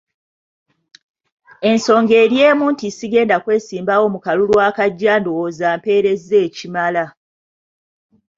Ensonga eri emu nti sigenda kwesimbawo mu kalulu akajja ndowooza mpeerezza ekimala.